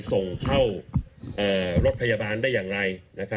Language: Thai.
ส่งเข้ารถพยาบาลได้อย่างไร